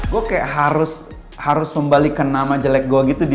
gue kayak harus membalikkan nama jelek gue gitu di dua ribu enam